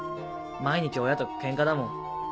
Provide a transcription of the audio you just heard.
毎日親とケンカだもん。